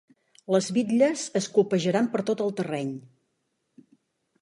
Les bitlles es colpejaran per tot el terreny.